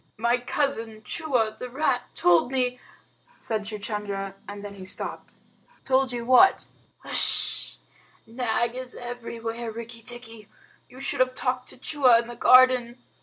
"My cousin Chua, the rat, told me " said Chuchundra, and then he stopped. "Told you what?" "H'sh! Nag is everywhere, Rikki tikki. You should have talked to Chua in the garden."